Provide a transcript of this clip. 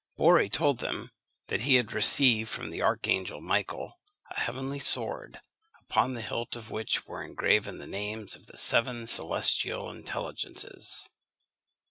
Borri told them that he had received from the archangel Michael a heavenly sword, upon the hilt of which were engraven the names of the seven celestial intelligences.